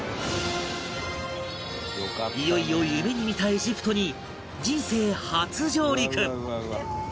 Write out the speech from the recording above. いよいよ夢に見たエジプトに人生初上陸！